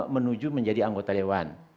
menuju menjadi anggota dewan